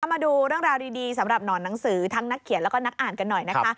มาดูเรื่องราวดีสำหรับหนอนหนังสือทั้งนักเขียนแล้วก็นักอ่านกันหน่อยนะคะ